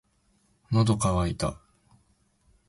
喉乾いた